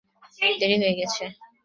দেরি হয়ে গেছে।